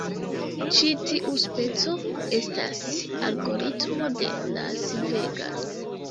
Ĉi tiu speco estas algoritmo de Las Vegas.